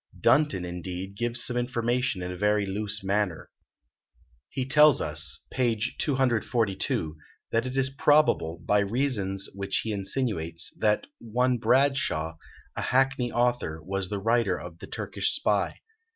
Dunton, indeed, gives some information in a very loose manner. He tells us, p. 242, that it is probable, by reasons which he insinuates, that one Bradshaw, a hackney author, was the writer of the "Turkish Spy."